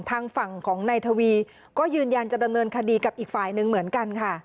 ทางฝั่งของนายทวีก็ยืนยันจะดำเนินคดีกับอีกฝ่ายหนึ่งเหมือนกันค่ะ